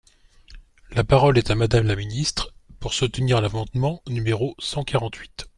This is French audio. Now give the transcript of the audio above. La parole est à Madame la ministre, pour soutenir l’amendement numéro cent quarante-huit.